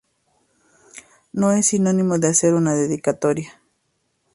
No es sinónimo de hacer una dedicatoria.